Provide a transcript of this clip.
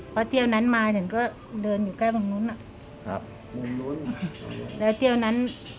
เพราะเที่ยวนั้นมาถึงก็เดินอยู่ใกล้ตรงนู้นอ่ะครับมุมนู้นแล้วเที่ยวนั้น